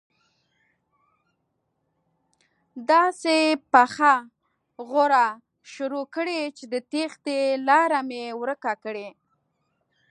داسې پخه غوره شروع کړي چې د تېښتې لاره مې ورکه کړي.